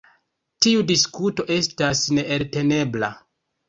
Tiu diskuto estas neeltenebla.